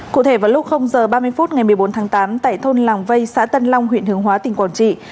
cụ thể vào lúc h ba mươi phút ngày một mươi bốn tháng tám tại thôn làng vây xã tân long huyện hướng hóa tỉnh quảng trị